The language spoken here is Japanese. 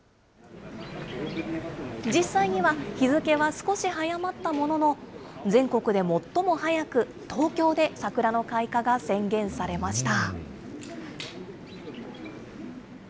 実際には日付は少し早まったものの、全国で最も早く、東京で桜の開花が宣言されました。